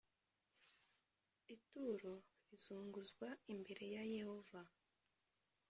ituro rizunguzwa imbere ya Yehova